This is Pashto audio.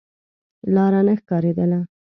لاره نه ښکارېدله.